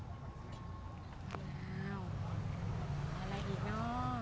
ปลาร้า